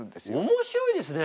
面白いですね。